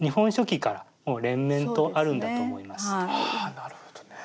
なるほどね。